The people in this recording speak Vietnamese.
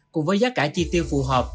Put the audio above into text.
cùng với giá cả chi tiêu phù hợp